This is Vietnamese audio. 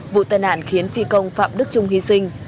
vụ tai nạn khiến phi công phạm đức trung hy sinh